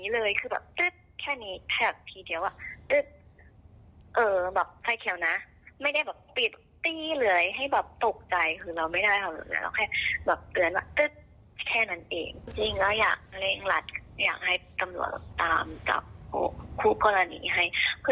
แล้วอยากให้เขาว่ารับผิดชอบส่วนนี้